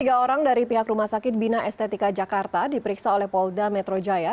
tiga orang dari pihak rumah sakit bina estetika jakarta diperiksa oleh polda metro jaya